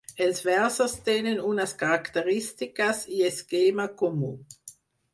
Els versos tenen unes característiques i esquema comú.